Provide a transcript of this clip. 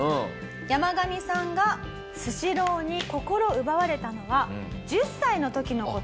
ヤマガミさんがスシローに心奪われたのは１０歳の時の事です。